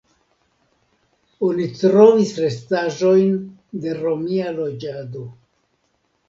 Oni trovis restaĵojn de romia loĝado.